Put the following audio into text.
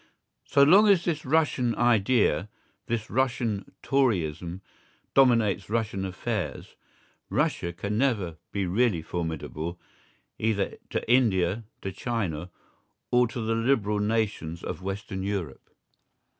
So long as this Russian idea, this Russian Toryism, dominates Russian affairs, Russia can never be really formidable either to India, to China, or to the Liberal nations of Western Europe.